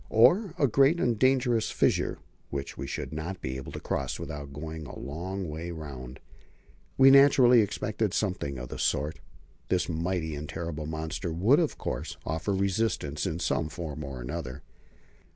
Or a great and dangerous fissure, which we should not be able to cross without going a long way round? We naturally expected something of the sort. This mighty and terrible monster would, of course, offer resistance in some form or other.